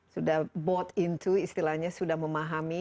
sudah bought into istilahnya sudah memahami